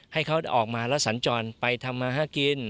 ให้เขาออกมาแล้วสัญจรไปทำมาหากิน